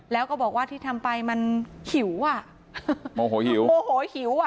แล้วก็บอกว่าที่ทำไปมันหิวอ่ะโมโหหิวโมโหหิวอ่ะ